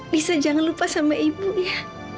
bisa jangan lupa sama ibu ya